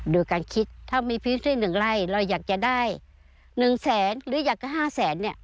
โดยการคิดถ้ามีพิมพ์ซึ่งหนึ่งไร่เราอยากจะได้หนึ่งแสนหรืออยากจะห้าแสนเนี่ย